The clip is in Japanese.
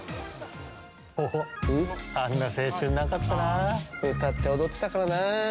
おおっ、あんな青春なかった歌って踊ってたからな。